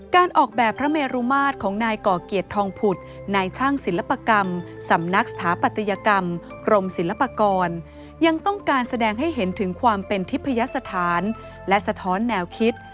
การออกแบบพระเมรุมาตรของนายก่อเกียรติทองผุดนายช่างศิลปกรรมสำนักสถาปัตยกรรมกรมศิลปากรยังต้องการแสดงให้เห็นถึงความเป็นทิพยสถานและสะท้อนแนวคิด